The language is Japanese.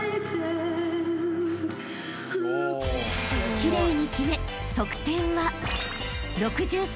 ［奇麗に決め得点は］